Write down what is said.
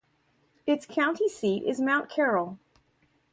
Its county seat is Mount Carroll.